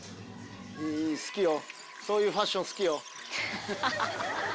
好きよ、そういうファッション好きよ。